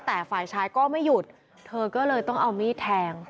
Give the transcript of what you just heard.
แต่ฝ่ายชายก็ไม่หยุดเธอก็เลยต้องเอามีดแทง